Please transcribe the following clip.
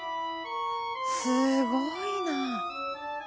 すごいな。